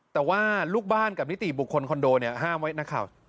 แต่ว่าลูกบ้านกับนิติบุคคลคอนโดเนี่ยห้ามไว้นักข่าว